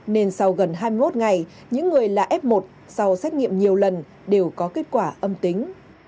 nên sau gần hai mươi một ngày những người là f một sau xét nghiệm nhiều lần đều có kết quả âm tính